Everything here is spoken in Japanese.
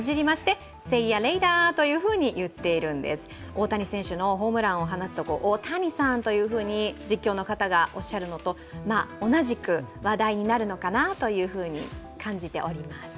大谷選手のホームランを放つとオオタニサーンというふうに実況の方がおっしゃるのと同じく話題になるのかなと感じております。